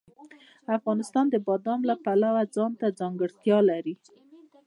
افغانستان د بادام د پلوه ځانته ځانګړتیا لري.